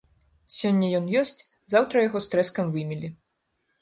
Сёння ён ёсць, заўтра яго з трэскам вымелі.